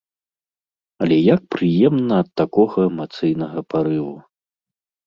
Але як прыемна ад такога эмацыйнага парыву!